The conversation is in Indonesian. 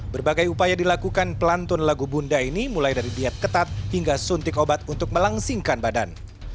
berbagai upaya dilakukan pelantun lagu bunda ini mulai dari diet ketat hingga suntik obat untuk melangsingkan badan